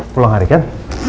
pulang hari kan